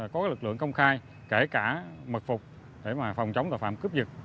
có lực lượng công khai kể cả mật phục để phòng chống tội phạm cướp giật